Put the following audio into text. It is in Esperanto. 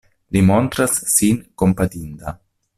Li montras sin kompatinda.